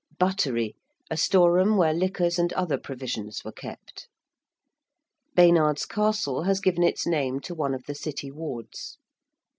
~buttery~: a storeroom where liquors and other provisions were kept. ~Baynard's Castle~ has given its name to one of the City wards.